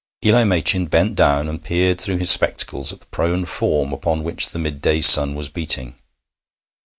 Eli Machin bent down, and peered through his spectacles at the prone form upon which the mid day sun was beating.